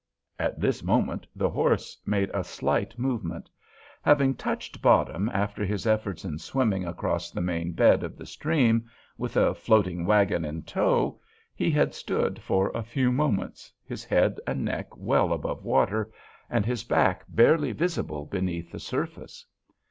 At this moment the horse made a slight movement. Having touched bottom after his efforts in swimming across the main bed of the stream, with a floating wagon in tow, he had stood for a few moments, his head and neck well above water, and his back barely visible beneath the surface.